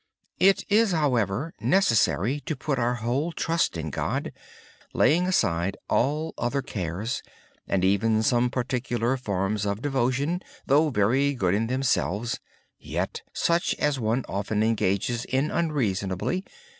It is, however, necessary to put our whole trust in God. We must lay aside all other cares and even some forms of devotion, though very good in themselves, yet such as one often engages in routinely.